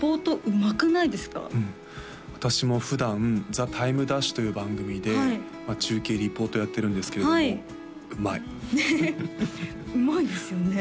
うん私も普段「ＴＨＥＴＩＭＥ’」という番組でまあ中継リポートやってるんですけれどもうまいねっうまいですよね